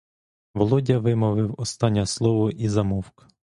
Володя вимовив останнє слово і змовк.